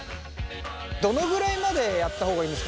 どのぐらいまでやった方がいいんですか